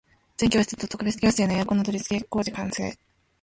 全教室と特別教室へのエアコン取り付け工事完成